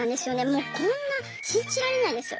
もうこんな信じられないです。